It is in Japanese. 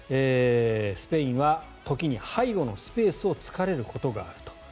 スペインは時に背後のスペースを突かれることがあると。